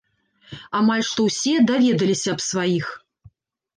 Амаль што ўсе даведаліся аб сваіх.